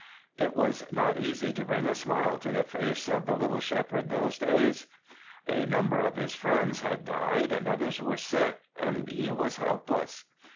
It was not easy to bring a smile to the face of the little Shepherd those days. A number of his friends had died and others were sick and he was helpless.